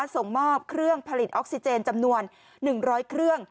ส่งมอบเครื่องผลิตออกซิเจนจำนวน๑๐๐เครื่อง